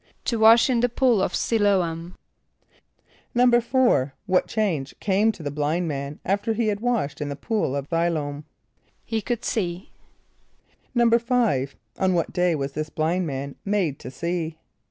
=To wash in the pool of S[)i] l[=o]´am.= =4.= What change came to the blind man after he had washed in the pool of S[)i] l[=o]´am? =He could see.= =5.= On what day was this blind man made to see?